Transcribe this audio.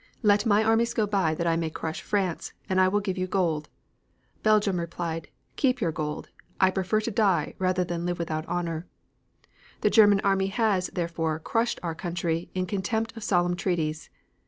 Let my armies go by, that I may crush France, and I will give you gold.' Belgium replied, 'Keep your gold. I prefer to die, rather than live without honor.' The German army has, therefore, crushed our country in contempt of solemn treaties.